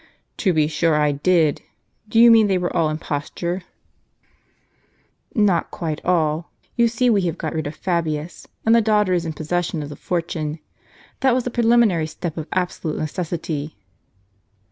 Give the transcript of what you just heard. " "To be sure I did ; do you mean they were all imposture ?"" Not quite all ; you see we have got rid of Fabius, and the daughter is in possession of the fortune. That was a pre liminary step of absolute necessity."